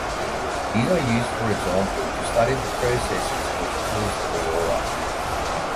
These are used for example to study the processes which cause the aurora.